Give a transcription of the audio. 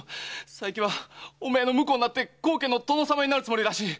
佐伯はお前の婿になって高家の殿様になるつもりらしい。